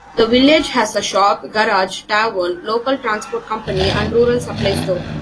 The village has a shop, garage, tavern, local transport company and rural supply store.